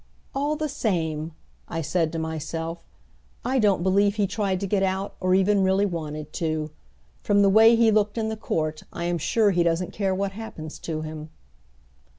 "All the same," I said to myself, "I don't believe he tried to get out, or even really wanted to. From the way he looked in the court I am sure he doesn't care what happens to him."